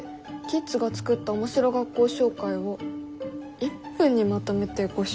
キッズが作った面白学校紹介を１分にまとめてご紹介」？